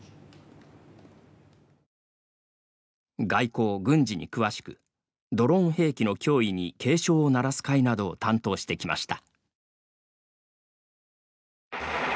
外交・軍事に詳しくドローン兵器の脅威に警鐘を鳴らす回などを担当してきました。